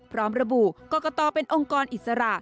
พร้อมระบุกรกตเป็นองค์กรอิสระ